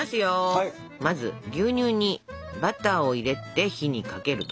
まず牛乳にバターを入れて火にかけると。